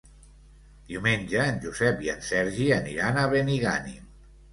Diumenge en Josep i en Sergi aniran a Benigànim.